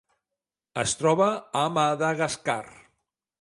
Es troba a Madagascar.